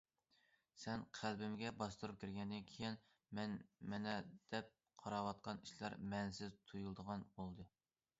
سەن قەلبىمگە باستۇرۇپ كىرگەندىن كېيىن، مەن مەنە دەپ قاراۋاتقان ئىشلار مەنىسىز تۇيۇلىدىغان بولدى.